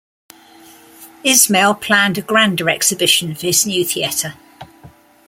Ismail planned a grander exhibition for his new theatre.